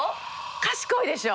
賢いでしょ！